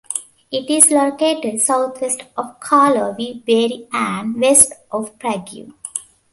It is located southwest of Karlovy Vary and west of Prague.